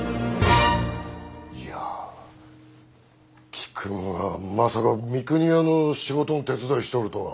菊野がまさか三国屋の仕事の手伝いしとるとは。